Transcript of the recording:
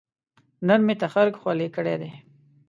نن مې تخرګ خولې کړې دي